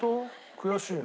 悔しいな。